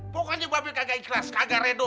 pokoknya mbak peh kagak ikhlas kagak redo